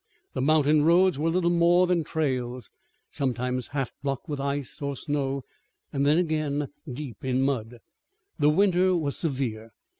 The mountain roads were little more than trails, sometimes half blocked with ice or snow and then again deep in mud. The winter was severe.